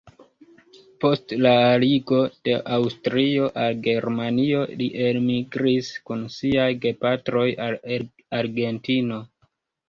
Post la aligo de Aŭstrio al Germanio li elmigris kun siaj gepatroj al Argentino.